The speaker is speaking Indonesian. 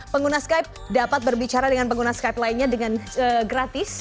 pengguna skype dapat berbicara dengan pengguna skype lainnya dengan gratis